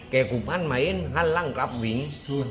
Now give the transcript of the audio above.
แกกุบฮันไหมฮันร่างกลับหวิง